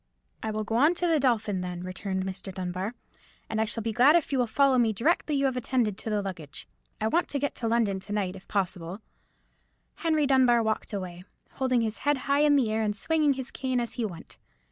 "I will go on to the Dolphin, then," returned Mr. Dunbar; "and I shall be glad if you will follow me directly you have attended to the luggage. I want to get to London to night, if possible." Henry Dunbar walked away, holding his head high in the air, and swinging his cane as he went.